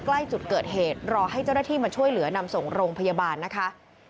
ใกล้จุดเกิดเหตุรอให้เจ้าหน้าที่มาช่วยเหลือนำส่งโรงพยาบาลนะคะ